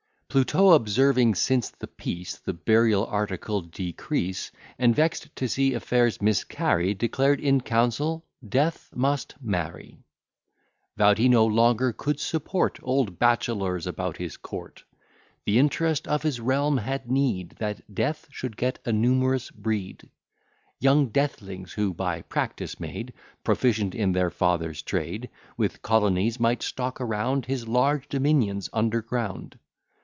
Pluto, observing since the peace The burial article decrease, And vex'd to see affairs miscarry, Declared in council Death must marry; Vow'd he no longer could support Old bachelors about his court; The interest of his realm had need That Death should get a numerous breed; Young deathlings, who, by practice made Proficient in their father's trade, With colonies might stock around His large dominions under ground.